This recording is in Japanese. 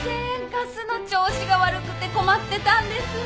ガスの調子が悪くて困ってたんです。